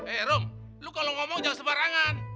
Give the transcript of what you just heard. eh rom lu kalau ngomong jangan sebarangan